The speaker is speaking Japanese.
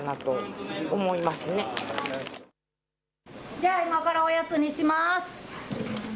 じゃあ、今からおやつにします。